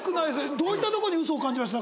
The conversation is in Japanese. どういったとこにウソを感じました？